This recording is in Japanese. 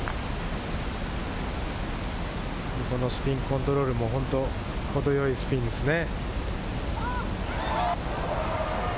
このスピンコントロールも本当、程よいスピンですね。